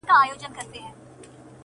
زما وطن په یوه کونج کې ناست یتیم او یسیر